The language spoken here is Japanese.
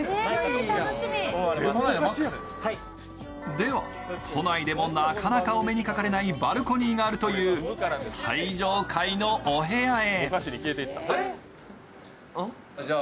では、都内でもなかなかお目にかかれないバルコニーがあるという最上階のお部屋へ。